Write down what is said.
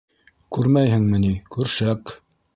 — Күрмәйһеңме ни, көршәк...